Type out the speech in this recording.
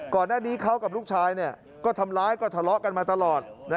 ก่อนหน้านี้เขากับลูกชายก็ทำร้ายก็ทะเลาะกันมาตลอด